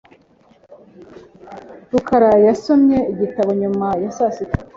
rukara yasomye igitabo nyuma ya saa sita .